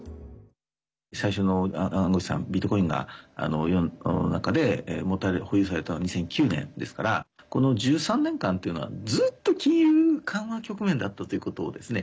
最初の暗号資産ビットコインが世の中で持たれ保有されたのは２００９年ですからこの１３年間というのはずっと金融緩和局面だったということですね。